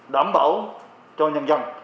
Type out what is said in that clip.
đảm bảo cho nhân dân